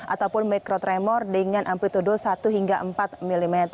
ataupun mikrotremor dengan amplitude satu hingga empat mm